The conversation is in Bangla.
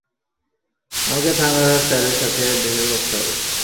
আমাকে থাঙ্গারাজ স্যারের সাথে দেখা করতে হবে।